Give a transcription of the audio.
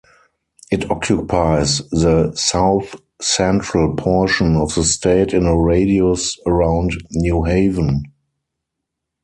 It occupies the south-central portion of the state in a radius around New Haven.